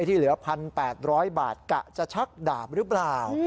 ที่เหลือ๑๘๐๐บาทกะจะชักดาบหรือเปล่า